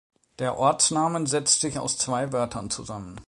Der Ortsnamen setzt sich aus zwei Wörtern zusammen.